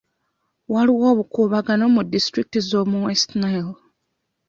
Waliwo obukuubagano mu disitulikiti z'omu West Nile